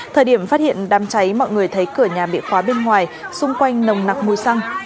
thời điểm phát hiện đám cháy mọi người thấy cửa nhà bị khóa bên ngoài xung quanh nồng nặc mùi xăng